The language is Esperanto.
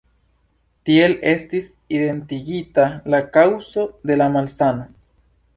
Tiel estis identigita la kaŭzo de la malsano.